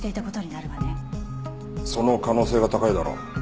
その可能性が高いだろ。